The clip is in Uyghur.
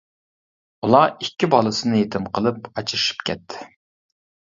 ئۇلار ئىككى بالىسىنى يېتىم قىلىپ ئاجرىشىپ كەتتى.